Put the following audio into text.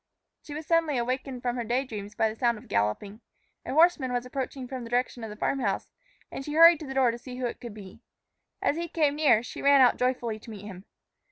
She was suddenly awakened from her day dreams by the sound of galloping. A horseman was approaching from the direction of the farm house, and she hurried to the door to see who it could be. As he came near, she ran out joyfully to meet him.